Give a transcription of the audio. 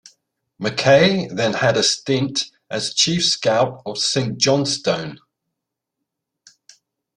Mackay then had a stint as chief scout of Saint Johnstone.